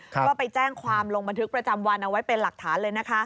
ก็ไปแจ้งความลงบันทึกประจำวันเอาไว้เป็นหลักฐานเลยนะคะ